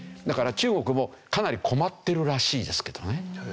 だから中国もかなり困ってるらしいですけどね。